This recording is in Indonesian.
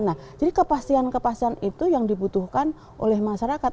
nah jadi kepastian kepastian itu yang dibutuhkan oleh masyarakat